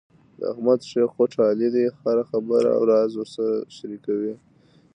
د احمد ښۍ خوټه علي دی، هره خبره او راز ورسره شریکوي.